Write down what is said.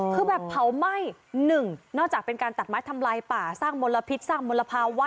คือแบบเผาไหม้หนึ่งนอกจากเป็นการตัดไม้ทำลายป่าสร้างมลพิษสร้างมลภาวะ